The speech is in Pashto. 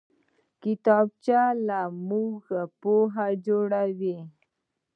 کتابچه له موږ پوهان جوړوي